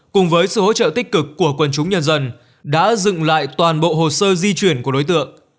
cùng với sự hỗ trợ tích cực của quần chúng nhân dân đã dựng lại toàn bộ hồ sơ di chuyển của đối tượng